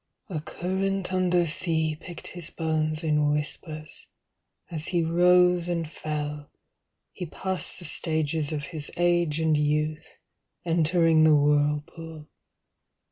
A current under sea Picked his bones in whispers. As he rose and fell He passed the stages of his age and youth Entering the whirlpool.